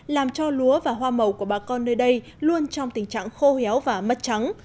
làm cho lúa và hoa màu của bà con nơi đây luôn trong tình trạng khô héo và mất trắng